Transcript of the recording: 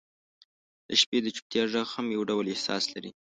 • د شپې د چوپتیا ږغ هم یو ډول احساس لري.